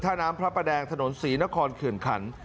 จึงท่าน้ำพระประแดงถนน๔นเขื่นขันฯ